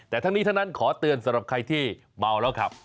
แต่ทั้งนี้ทั้งนั้นขอเตือนสำหรับใครที่เมาแล้วขับ